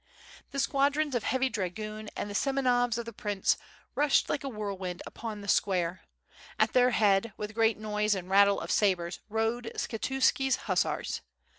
The squadrons of heavy dragoon and the Semenovs of the prince rushed like a whirlwind upon the square; at their WITH FIRE AND SWORD, yo9 head, with great noise and rattle of sabres rode Skshetuski^s hussars.